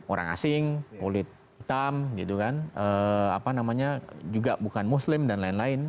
orang asing kulit hitam juga bukan muslim dan lain lain